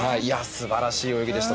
素晴らしい泳ぎでした。